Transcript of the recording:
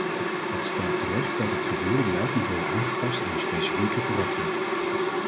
Het stelt terecht dat het gevoerde beleid moet worden aangepast aan hun specifieke karakter.